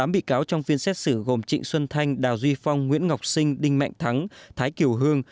tám bị cáo trong phiên xét xử gồm trịnh xuân thanh đào duy phong nguyễn ngọc sinh đinh mạnh thắng thái kiều hương